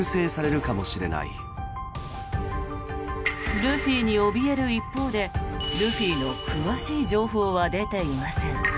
ルフィにおびえる一方でルフィの詳しい情報は出ていません。